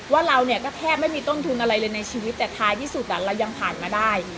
ว่าเราเนี่ยก็แทบไม่มีต้นทุนอะไรเลยในชีวิตแต่ท้ายที่สุดเรายังผ่านมาได้